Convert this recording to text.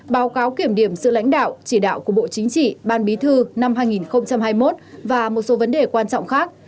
báo cáo kiểm điểm sự lãnh đạo chỉ đạo của bộ chính trị ban bí thư năm hai nghìn hai mươi một và một số vấn đề quan trọng khác